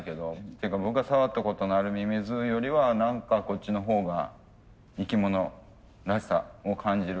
っていうか僕が触ったことのあるミミズよりは何かこっちのほうが生き物らしさを感じる気がしますけどね。